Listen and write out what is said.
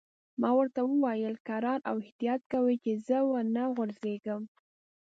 ما ورته وویل: کرار او احتیاط کوئ، چې زه و نه غورځېږم.